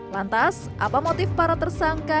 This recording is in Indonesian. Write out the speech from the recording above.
lantas apa motif para tersangka